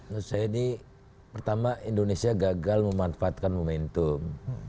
menurut saya ini pertama indonesia gagal memanfaatkan momentum